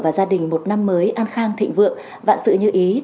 và gia đình một năm mới an khang thịnh vượng vạn sự như ý